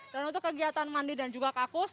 dan untuk kegiatan mandi dan juga kakus